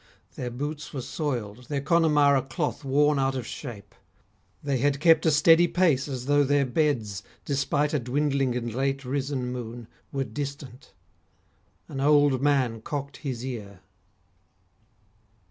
Their boots were soiled, Their Connemara cloth worn out of shape; They had kept a steady pace as though their beds, Despite a dwindling and late risen moon, Were distant. An old man cocked his ear.